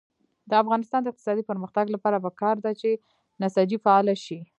د افغانستان د اقتصادي پرمختګ لپاره پکار ده چې نساجي فعاله شي.